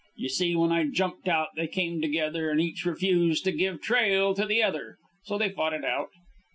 You see, when I jumped out, they came together, and each refused to give trail to the other. So they fought it out.